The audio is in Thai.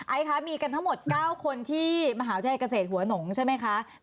คะมีกันทั้งหมด๙คนที่มหาวิทยาลัยเกษตรหัวหนงใช่ไหมคะ